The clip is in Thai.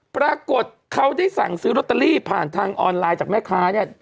ปรากฏเขาได้สั่งซื้อลอตเตอรี่ผ่านทางออนไลน์จากแม่ค้าเนี่ย